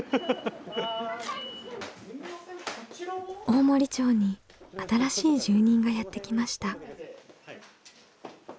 大森町に新しい住人がやって来ました。